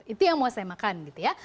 itu yang mau saya makan gitu ya